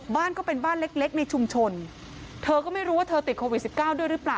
ก็เป็นบ้านเล็กในชุมชนเธอก็ไม่รู้ว่าเธอติดโควิด๑๙ด้วยหรือเปล่า